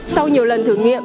sau nhiều lần thử nghiệm